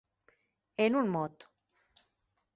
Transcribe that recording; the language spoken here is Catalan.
En un mot.